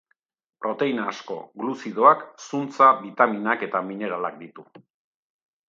Proteina asko, gluzidoak, zuntza, bitaminak eta mineralak ditu.